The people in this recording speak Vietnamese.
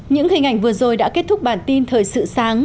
những hình ảnh vừa rồi đã kết thúc bản tin thời sự sáng